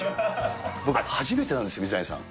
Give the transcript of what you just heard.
僕は初めてなんですよ、水谷さん。